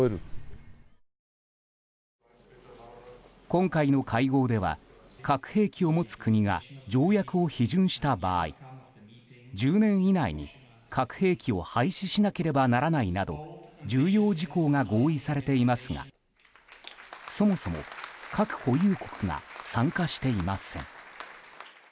今回の会合では核兵器を持つ国が条約を批准した場合１０年以内に核兵器を廃止しなければならないなど重要事項が合意されていますがそもそも核保有国が参加していません。